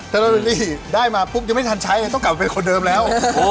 ลอตเตอรี่ได้มาปุ๊บยังไม่ทันใช้ไงต้องกลับไปคนเดิมแล้ว